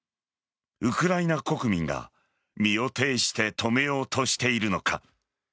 ウクライナ国民が身をていして止めようとしているのか。